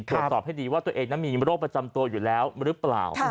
ตรวจสอบให้ดีว่าตัวเองนั้นมีโรคประจำตัวอยู่แล้วหรือเปล่า